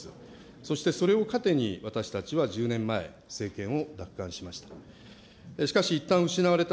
そしてそれを糧に、私たちは１０年前、政権を奪還しました。